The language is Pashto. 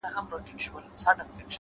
• پر دېګدان باندي یې هیڅ نه وه بار کړي ,